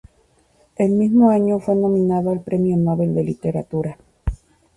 El mismo año, fue nominado al Premio Nobel de Literatura.